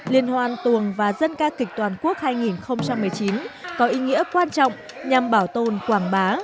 liên hoan tuồng và dân ca kịch toàn quốc hai nghìn một mươi chín có ý nghĩa quan trọng nhằm bảo tồn quảng bá